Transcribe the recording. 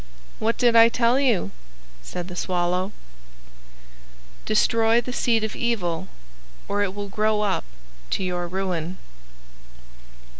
"What did I tell you?" said the Swallow. "DESTROY THE SEED OF EVIL, OR IT WILL GROW UP TO YOUR RUIN."